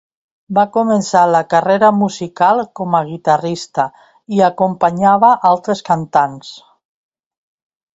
Va començar la carrera musical com a guitarrista i acompanyava altres cantants.